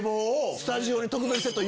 スタジオに。